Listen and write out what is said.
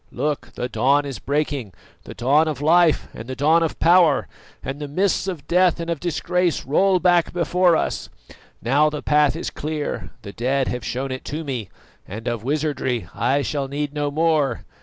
Look, the dawn is breaking the dawn of life and the dawn of power and the mists of death and of disgrace roll back before us. Now the path is clear, the dead have shown it to me, and of wizardry I shall need no more."